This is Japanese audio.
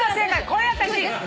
これは私。